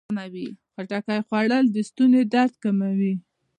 د خټکي خوړل د ستوني درد کموي.